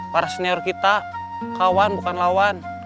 para senior kita kawan bukan lawan